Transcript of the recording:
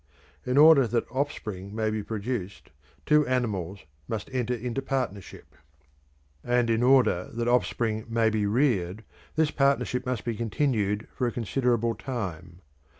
In order that offspring may be produced, two animals must enter into partnership; and in order that offspring may be reared, this partnership must be continued for a considerable time.